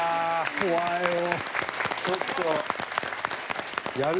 怖いよね。